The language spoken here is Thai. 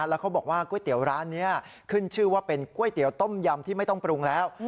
แล้วเขาบอกว่าก๋วยเตี๋ยวร้านนี้ขึ้นชื่อว่าเป็นก๋วยเตี๋ยวต้มยำที่ไม่ต้องปรุงแล้ว